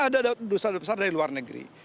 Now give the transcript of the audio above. duta besar dari luar negeri